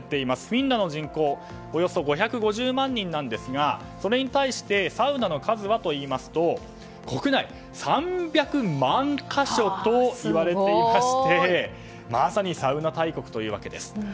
フィンランドの人口およそ５５０万人なんですがそれに対して、サウナの数は国内３００万か所といわれていましてまさにサウナ大国というわけです。